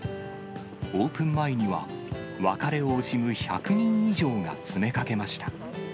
オープン前には、別れを惜しむ１００人以上が詰めかけました。